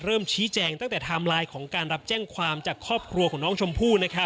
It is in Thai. เริ่มชี้แจงตั้งแต่ไทม์ไลน์ของการรับแจ้งความจากครอบครัวของน้องชมพู่